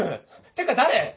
てか誰！？